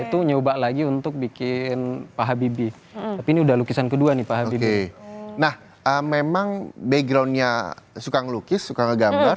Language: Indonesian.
itu nyoba lagi untuk bikin pak habibie tapi ini udah lukisan kedua nih pak habibie nah memang backgroundnya suka ngelukis suka ngegambar